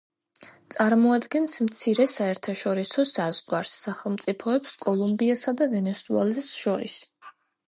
წარმოადგენს მცირე საერთაშორისო საზღვარს სახელმწიფოებს კოლუმბიასა და ვენესუელას შორის.